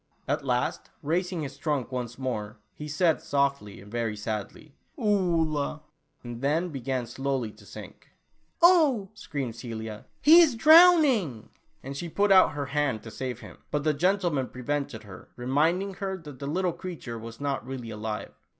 At last, raising his trunk once more, he said softly and very sadly, "Oolah," and then began slowly to sink ! "Oh," screamed Celia, "he is drowning," and she put out her hand to save him, but the gentle man prevented her, reminding her that the little creature was not really alive.